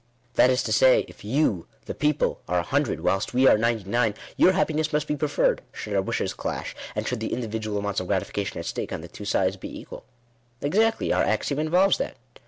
" That is to say, if you — the people, are a hundred, whilst we are ninety nine, your happiness must be preferred, should our wishes clash, and should the individual amounts of grati fication at stake on the two sides be equal/' " Exactly ; our axiom involves that."